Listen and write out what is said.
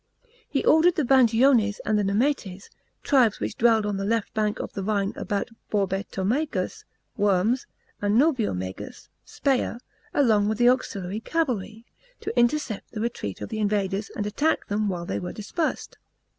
He ordered the Vangiones and the Nemetes — tribes which dwelled on the left bank of the Rhine about Borbetomagus (Worms), and Noviomagus (Speyer) — along with the auxiliary cavalry, to intercept the retreat of the invaders and attack them while they were dispersed.